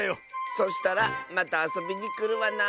そしたらまたあそびにくるわな。